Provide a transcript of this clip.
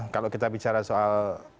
kalau kita bicara soal